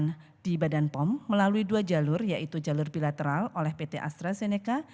yang di badan pom melalui dua jalur yaitu jalur bilateral oleh pt astrazeneca